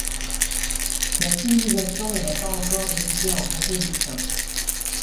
La civilisation ne l’a pas encore découpé en comtés distincts.